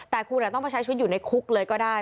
แต่คุณแหละต้องไปใช้ชุดอยู่ในคุกเลยก็ได้